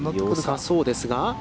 よさそうですが。